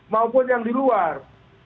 maupun yang di luar